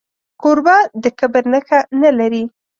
کوربه د کبر نښه نه لري.